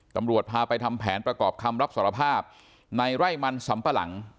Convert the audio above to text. ตำรวจพาไปทำแผนประกอบคำรับสารภาพในไร่มันสำปะหลัง